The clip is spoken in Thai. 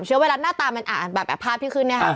ไวรัสหน้าตามันอ่านแบบภาพที่ขึ้นเนี่ยค่ะ